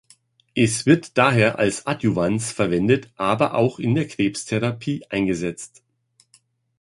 Es wird daher als Adjuvans verwendet, aber auch in der Krebstherapie eingesetzt.